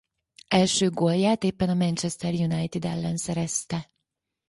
Első gólját éppen a Manchester United ellen szerezte.